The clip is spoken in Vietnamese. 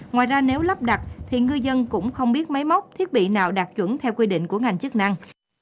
ngoài ra nếu lắp đặt thì ngư dân cũng không biết máy móc thiết bị nào đạt chuẩn theo quy định của ngành chức năng